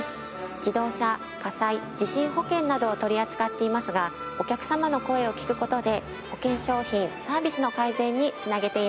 自動車火災地震保険などを取り扱っていますがお客様の声を聞く事で保険商品サービスの改善に繋げています。